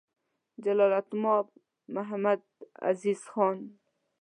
جلالتمآب محمدعزیز خان: